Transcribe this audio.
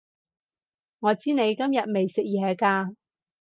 我知你今日未食嘢㗎